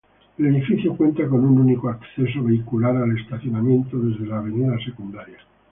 El edificio cuenta con un único acceso vehicular al estacionamiento desde la avenida secundaria.